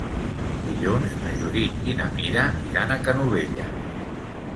Dilluns na Judit i na Mira iran a Canovelles.